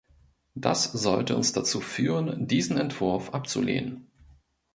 Das sollte uns dazu führen, diesen Entwurf abzulehnen.